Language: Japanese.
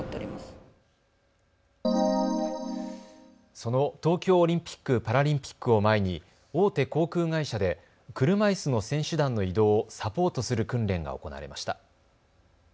その東京オリンピック・パラリンピックを前に大手航空会社で車いすの選手団の移動をサポートする訓練が行われました。